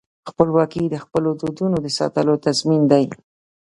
خپلواکي د خپلو دودونو د ساتلو تضمین دی.